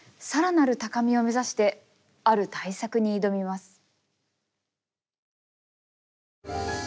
更なる高みを目指してある大作に挑みます。